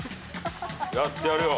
やってやるよ。